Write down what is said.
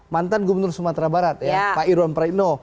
mantan gubernur sumatera barat ya pak irwan praidno